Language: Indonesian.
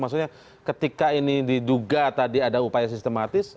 maksudnya ketika ini diduga tadi ada upaya sistematis